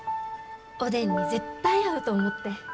おでんに絶対合うと思って。